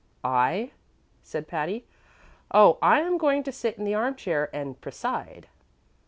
"I?" said Patty. "Oh, I am going to sit in the arm chair and preside."